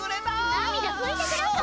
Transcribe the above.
なみだふいてください！